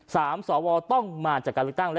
สามสวตรต้องมาจากการลึกตั้ง